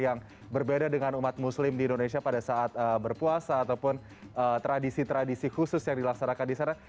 yang berbeda dengan umat muslim di indonesia pada saat berpuasa ataupun tradisi tradisi khusus yang dilaksanakan di sana